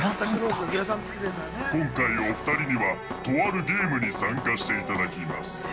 ◆今回２人にはとあるゲームに参加していただきます。